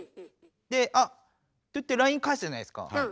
で「あっ」といってＬＩＮＥ返すじゃないですか。